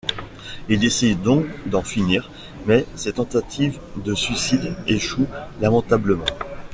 Il décide donc d’en finir… mais ses tentatives de suicide échouent lamentablement.